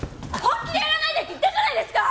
本気でやらないでって言ったじゃないですか！